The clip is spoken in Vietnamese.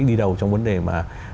đi đầu trong vấn đề mà